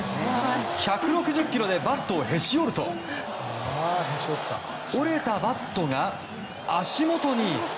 １６０キロでバットをへし折ると折れたバットが足元に。